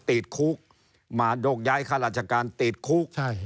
ติดคุกมาโยกย้ายข้าราชการติดคุก